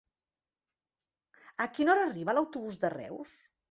A quina hora arriba l'autobús de Reus?